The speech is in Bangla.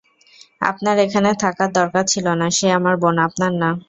আপনার এখানে থাকার দরকার ছিলনা সে আমার বোন, আপনার না।